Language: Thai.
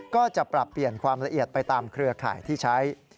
ก็จะปรับเปลี่ยนความละเอียดไปตามเครือข่ายที่ใช้